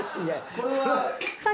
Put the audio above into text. これは。